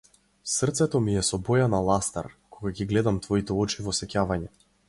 Срцето ми е со боја на ластар, кога ги гледам твоите очи во сеќавање.